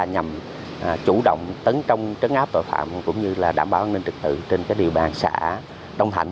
nhằm chủ động tấn trong trấn áp tội phạm cũng như đảm bảo an ninh trật tự trên địa bàn xã đông thạnh